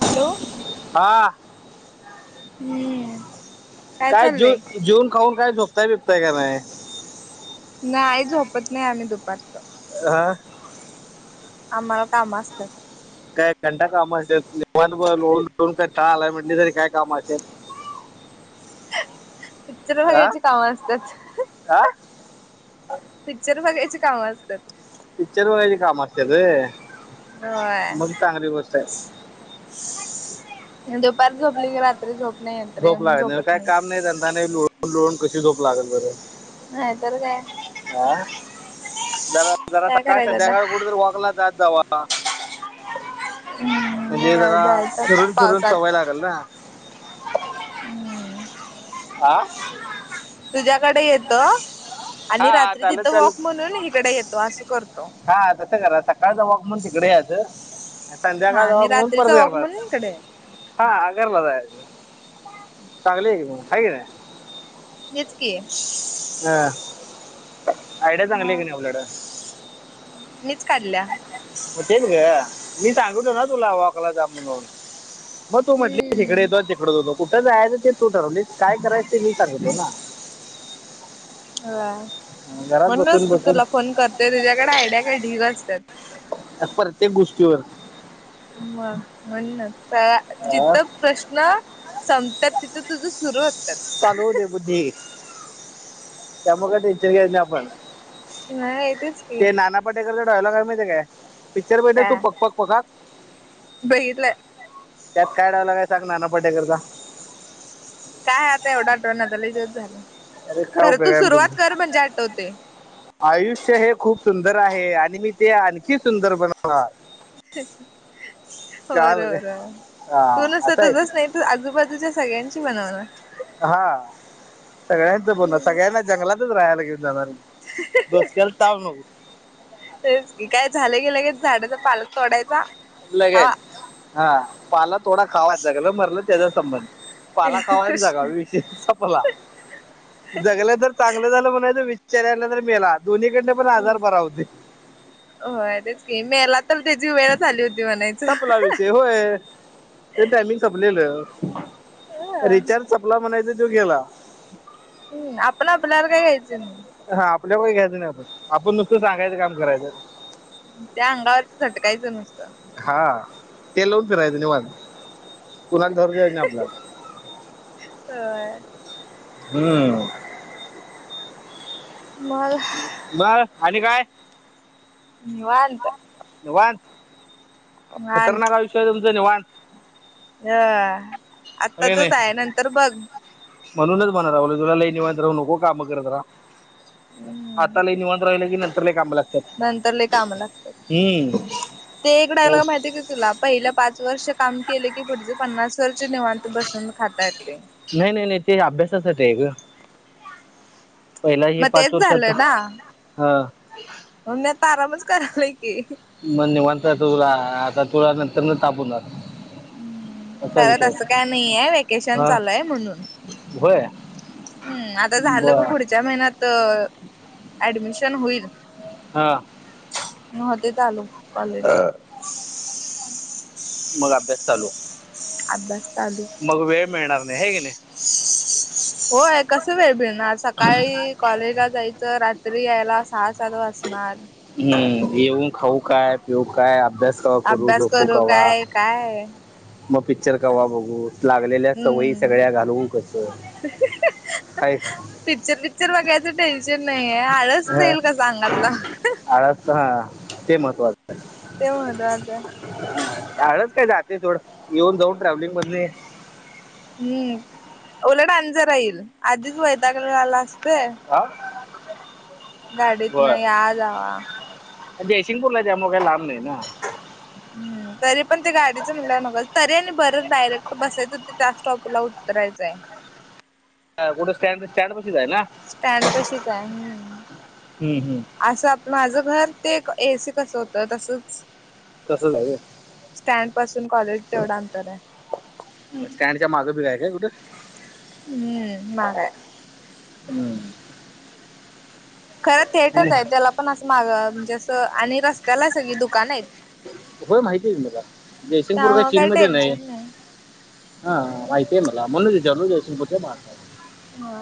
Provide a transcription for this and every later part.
Hello हा हम्म काय चाललंय जेऊन खाऊन काय झोकतायबिकताय का नाहीय नाही आई झोपत नाही आम्ही दुपारचं आा आम्हाला काम असतात? काय घंटा काम असत्यात निवांत लोळुन लोळून कंटाळा आलाय म्हटली तरी काय? कामाश पिक्चर बघायची कामं असतात. आा पिक्चर बघायचे काम असतात. पिक्चर बघायची कामं असतात वय हो चांगली गोष्ट आहे. दुपार झोपली की रात्री झोप नाही याते झोप लागत झोपत काय नाही. काम नाही त्यांा नाही लोळून लुळून कशी झोप लागल बरं नाही तरर काय अ जरा जरा काय सकाळ करायचं आता संध्याकाळ कुठे तर वॉकला जात जाव म्हणजे हम्म जरा जायचं आता फिरून चिरून पावसात चवाय लागेल ना हम्म आह तुझ्याकडे येत आणि हा रात्री चालत तिथं वॉक चालत म्हणून इकडे येतो असं करतो. हा तस करा सकाळचा वाक म्हण तिकडे यात हा संध्याकाळ आणि जवब म्हणून परत रात्रीचा वॉक घरला म्हणून इकडे येतो हा गर्ल जायचं चांगलं एक हग आहे. तेच की हं आयडि चांगली आहे मग क नाहीवलड मीच काढल्या. हो तेन ग मी सांगत ना तुला वाकला जा म्हणून मग तू म्हटलीस इिकडे हम्म. द तिकडं दोनो कुठं जायच ते तू ठरवलीस काय करायस ते मी सांगतो ना. हा घरात बसून म्हणूनसतू बसून तुला फोन करतेय तुझ्याकडे आयडिया काय ढीग असतात. प्रत्येक गोष्टीवर म म्हण अं, जिथ प्रश्न ना संपतात तिथं तुझ सुरू हो. तलू दे बुद्धी त्यामुक टीचर आपण नाही येतच की ते नाना पाटेकरचा डायलॉग आहे माहिे काय पिक्चर भेटे तू काय पक पक पकाक. बघितलं त्यात काय डावला काय सांग ना पटेकरता. काय आता एवढाट्रन झाला त झालं अरे काय खरं उपयोग तू आहे मग सुरुवात तुमचा कर म्हणजे आठवते. आयुष्य हे खूप सुंदर आहे आणि मी ते आणखी सुंदर बनवणार. काल हा असं आहे ते. बर. आजूबाजूच्या सगळ्यांची बनवण. हा सगळ्यांच बोलण सगळ्यांना जंगलातच राहायला घेऊन जाणार. दोसक्याला तव न काय झालं की लगेच झाडाचा पालक तोडायचा लगेच खावा हा पाला थोडा खावायगलं मरलं त्याचा संबंध. पाला ते खावायन जागा विशेय संपला. जगलं जर चांगलं झालं म्हणाय विचार यायला तर मेला दोन्हीकडन पण आजार भरा होते. होय तेच क मेला तर त्याची वेळ झाली होती म्हणा. संपला विषय होय ते टायमिंग संपलेल. रिचार्ज सपला म्हणायच तो गेला. हम् आपण आपल्याला काय खाच. हा आपल्याला घ्यायचं नाही आपण आपण नुकतं सांगाचं काम करायचं. त्या अंगावरच झटकायचं नसतं. हा ते लावून फिरायचं निवन कलाना धर द्यायचं नाही आपल्याला ह. हम्म. मल. बर आणि काय? ह. निवांस निवांत खतरनाक आयुषय तुमचां निवांस हह हे नाही आताचच आहे नंतर बघ. म्हणूनच म्हणा राव तुला लैन मात राू नको काम करत राहा. हम्म आताला निवण राहिलं की नंतर ला कामं लागतात. नंतरले काम लागतात हम्म ते एक डायलॉग माहितीय. तुला पहिले पाच वर्ष काम केले की पुढचे पन्नास वर्ष निवांत बसून खाताय. नाही नाही नाही ते अभ्यासासाठी आहे ग. पहिला हे मग तेच पाच वर्षता हा. म म तारामच करालाय की मण निवांता त तुला आता तुळ नंतर न तापून हम्म असा खरत विषय असं काय असतो नाही आहे वेकेशन हा चालू आहे म्हणून होय. हम्म आता झालं ग बर पुढच्या महिन्यात ऍडमिशन होईल. हा. म ते चालू. अ कॉलेज मग अभ्यास चालू. अभ्यास चालू. मग वेळ मिळणार नाही हे की नाही होय कसं वेळ भिडणार सकाळी कॉलेजला जायचं रात्री यायला सहा सात वाचणार हम्म येऊ खाऊ काय पिऊ काय अभ्यास क करू झोपू कावा आहेय मग पिक्चर कवा बघू लागलेल्या सवयी सगळ्या हम्म घालवू कस काय पिक्चर पिक्चर बघायचं टेन्शन नाही आहे आळच हा, जाईल का सांगातला आळस तर हा ते महत्वाचं ते महत्वाचं आहे आडच काय जाते थडं येऊन जाऊन ट्रॅव्हलिंग मध हम्म उओलट अांज राहील आधीच वैतागला असते आह गाडीत न या जावा जयसिंगपूरला जा मग काही लांब नाही ना हम्म तरी पण ते गाडीचं मिलणल तरी आणि य ह कुठे स्टँड स्टँड बसच आहे ना स्टँड पशीच आहे हम्म असं माझं घर ते एसी कसं होतं तसंच तसंच आहे स्टँड पासून कॉलेज तेवढं अंतर आहे त्यांॅनच्या मागं बिघाय काय कुठे हम्म माग हम्म खरं थेटच आहे त्याला पण असं माग म्हणजे असं आणि रस्त्याला सगळी दुकानं आहेत होय माहितीय आहे त् का जयसिंगपूर का त्यामुळे चीन काही मध्ये नाही टेन्शन हा माय्यन म म्हण जर जशन पजत हा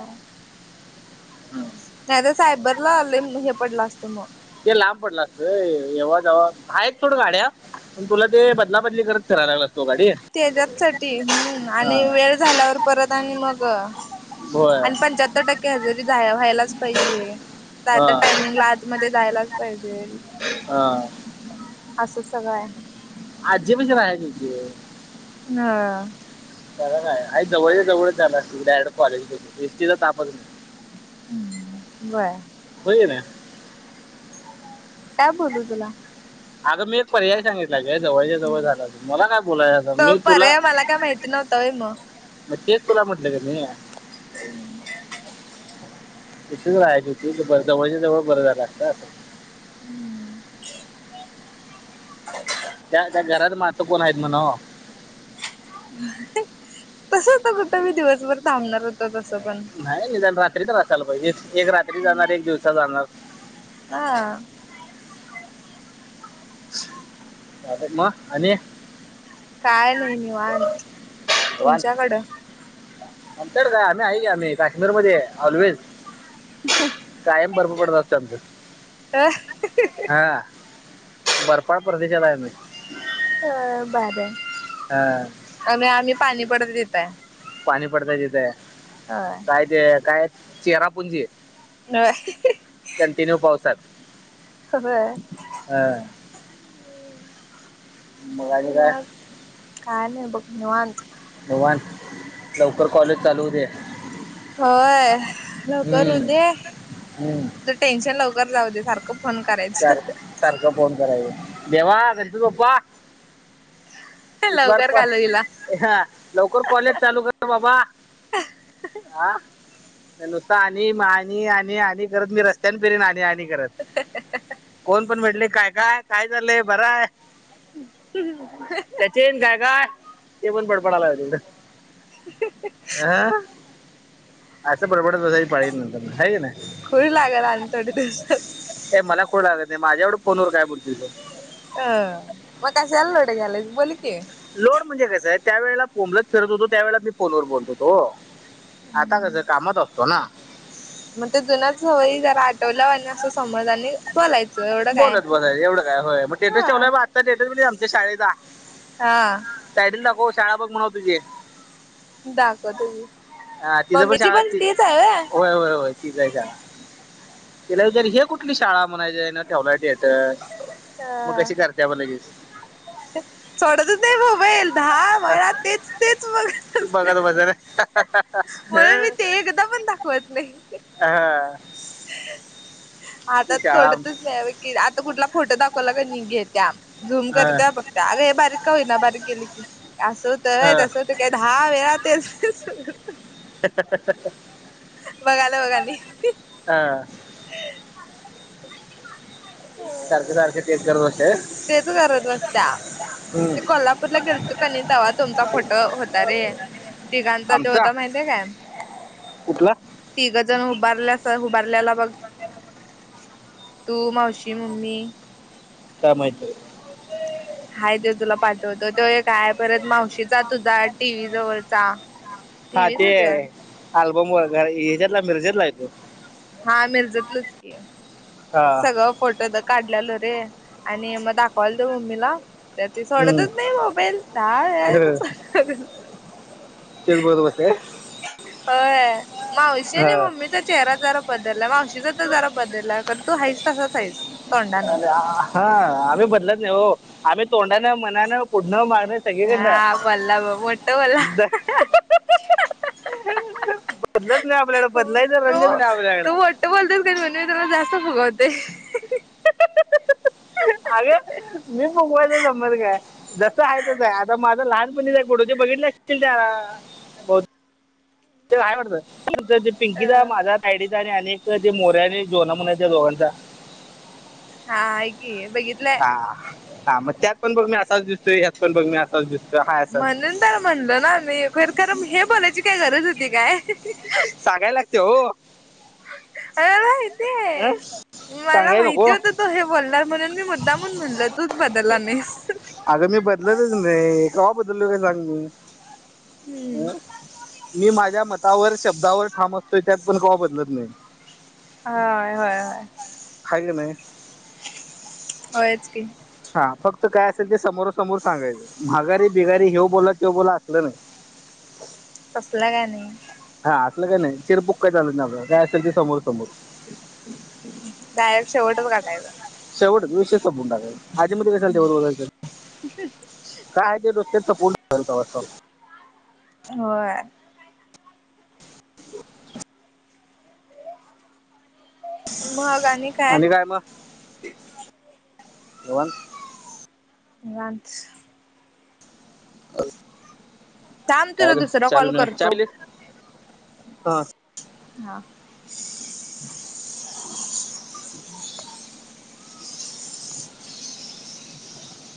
हम नाही सायबरला ल हे पडला असतं मग ते लांब पडलं असत येव्हा जव आहेय थोडं गाड्या पण तुला ते बदलाबदली करत कराय लागतो गाडी त्याच्यात साठी हम्म हां आणि वेळ झाल्यावर परत आणि मग होय आणि पंच्याहत्तर टक्के हजेरी व्हायलाच पाहिजे तर आता हां टाइमिंग ला मध्ये जायलाच पाहिजे हा असं सगळं आहे आज प च राय तती हा चरा नाही आ जवळ जवळच जाणार अस तड कॉलेज एसटीचा तापत नाही बरं हो जा ना का बोलू तोला अगं मी एक पर्याय सांगित जवळच्या जवळ झाला त मला काय बोलाय तो मी तुला पर्याय मला काय माहिती नव्हता व्हय मग. मग ते तुला म्हटलं का नाही इथेच राहायची होती जवळच्या जवळ बरं झालं असत असं हम्म त्या त्या घरात मातं कोण आहेत म्हणा तस होत कुठं मी दिवसभर थांबणार होत तसं पण नाही नाही जण रात्री तर असायला पाहिजे एक रात्री जाणार एक दिवसाात जाणार हा म आणि, काय नाही, निवांत तुमच्याकडं. आमच्याड काय, आम्ही आहे की आम्ही काश्मीरमध्ये ऑलवेज, कायम बर्फ पडत असतोय त, अ आमचं हा बर्फळ प्रदेशांत आहे आम्ही, होय भारी आहे, हा, आनी, आम्ही पाणी पडत हित आहे, पाणी पडतय तिथं, होय, काय ते, काय चेहरा पुुंजी [unintelligible] कंटिन्यू पावसात, बर, हय, आणि काय मग, काय नाही बघ निवांत, भगवान लवकर, कॉलेज चालू होऊदे, होय लवकर होऊ दे, हम्म तुझं टेन्शन लवकर जाऊ दे सारखं फोन सार करायचं, सारखं फोन कराच, देवा गणपती बाप्पा इ बार, लवकर प घालवीला ह लवकर कॉलेज चालू कर बाबा, हा नुसतं, आणि, आणि, आणि, आणि करत मी रस्त्याने फिरीन आणि कोण पण भेटले, काय, काय, काय झालंय बर आहे. [unintelligible] चेन काय काय ते पण बड, बड, लागलंय, हा असं बडबड बसायची पाळी, येईल नंतर हाई कणी नाही, खुळ लागल आणि थोडे दिवसात हे मला खुळ लागत नाही, माझ्या एवढं फोनवर काय बोल शील तू, अ मग कशला, लोड घ्यायलास बोलली की, लोड म्हणजे कसं आहे, त्यावेळेला [unintelligible] फिरत होतो त्या वेळ मी, फोनवर बोलत होतो. आता कसं कामात असतो ना, मग ते जुन्याच सवयी जरा, आठवल्यावर आणि अस समज आणि बोलायचं, एवढं काय, बोलत बसायचं एवढं होय मग, स्टेटस हा ठेवलाय बघ आजचा स्टेटस बागीतलास कायआमच्या शाळेचा, हा, तायडी ला दाखव, शाळा बघ म्हणव तुझी, दाखवतो की हा तिज पण मम्मीची शाळती, तीच आहे व्हय होय, होय, होय, तीच आहे शाळा, तिला विचार हे कुठली शाळा म्हणायच, ना यान ठेवलाय स्टेटस, अ, सोडतच नाही, मोबाईल दहा वेळा तेच- तेच बघत तू असतय, [unintelligible] बसर म्हणून मी ते, एकदा पण दाखवत नाही. हा, आता शाळा सोडतच नाही, की आता कुठला फोटो दाखवला कणी घेत्या, झूम हा, करते त्या बघतत्या, अग हे बारीक का होना बारीक गेली की. असं होतय, हा, तसं होत काय दहा वेळा तेच [unintelligible] बघाल बघ आणि, हा, सारखे- सारखे तेच करत बसते होय. तेच करत बस्त्या, ते कोल्हापूरला गेल तोकणी, तेंव्हा तुमचा फोटो होता रे, तिघांचा ते आमचा होता माहितीे काय? कुठला? तिघं जण उभारल्यास उभारल्याला बघ - तू मावशी मम्मी - का माहित बाई - हा ते तुला पाठवतो तो एक काय परत मावशीचा तुझा टीव्ही जवळचा - टी हा व्हि च ते होती वाटत - अल्बम वररला यांच्यातला आहे तो मिरजेतला आहे तो - हा मिरजेतलच की- हा सगळं फोटो ते काढल्यालो रे आणि मग दाखवलतो मम्मीला - त्या त हम्म. सोडतच नाही मोबाईल दहा वेळा हं. एकाच- तेच बघत बसल्या होय - होय मावशी नाही मम्मी तर - चेहरा जरा बदललाय म अशीजध जरा बदलला कारण तू आहेस तसाच आहेस. तोंडानं अरे हा आमही बदलात नाही हो आम तोंडाानं मनानं पुढणं मागणं सग कर ना हा बोलला ब मोठ बोलला बदलत नाही आपल्या हो तो तो वाट्ट बोलतच का म्हणून त्याला जास्त फगवते अगे मी मुगवायच समर का जस आहेच आहे आता माझं लहानपणी गुडोज बघितले असतीलील त्या बहुतेक ते काय म्हटत अ पिंकीचा माझ्या सायडीचा आणि अनेक ज मोऱ्या आणि जेवणा म्हण त्या दोघांचा हा ही बघितत हा हा मग त्यात पण बघ मी असाच दिसतोय हत पण बघ मी असाच दिसतोय हा असाच म्हणून तर म्हणलो ना मी खर खर हे बोलायची काय गरज होती काय कागाय लागते हो अ अ सांगाय नको - तो हे बोलणार म्हणून मी मुद्दामून म्हणल तूच बदलला नाहीस - अगं मी बदलतच नाही कवा बदलोय काय सांग मी - हम्म मी माझ्या मतावर शब्दावर ठाम असतोय त्यात पण कव बदलत नाही ह होय हय खाल ना होयच की हा फक्त काय असेल ते समोर समोर सांगायचं मघारी बिघारी हे बोला तेव बोला असलं नाही तसला का नाही हा असलं काही नाही चिरपुक काय चालत नाही आप काय असेल ते समोर समोर डायरेक्ट शेवटच काटायचं शेवच विशेषंडाकाल आजी मल तेव बघल काय ते ते तर पूर्ण हो [inaudible] आणि काय मगवण ब थांब काय तुला दुसरा कॉल चवी करतो चवी ह हा हम